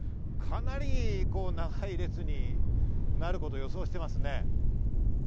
かなり長い列になると予想しています。